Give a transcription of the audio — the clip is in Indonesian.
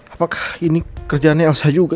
apakah ini kerjaannya elsa juga